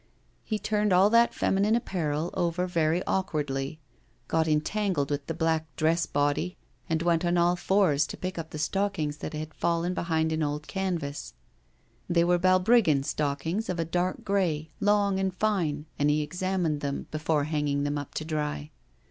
He turned all that feminine apparel over very awkwardly, got entangled with the black dress body, and went on all fours to pick up the stockings that had fallen behind an old canvas. They were Balbriggan stockings of a dark grey, long and fine, and he examined them, before hanging them up to dry.